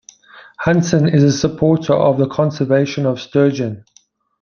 Hansen is a supporter of the conservation of sturgeon.